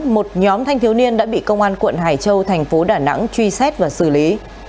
một nhóm thanh thiếu niên đã bị công an quận hải châu thành phố đà nẵng truy xét và xử lý